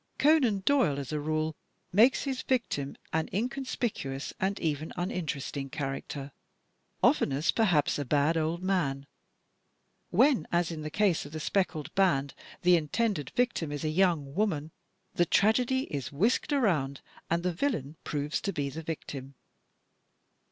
Conan Doyle as a rule makes his victim an inconspicuous and even iminteresting character — of tenest, perhaps, a bad old man. When, as in the case of "The Speckled Band," the intended victim is a young woman, the tragedy is whisked around and the villain proves to be the victim.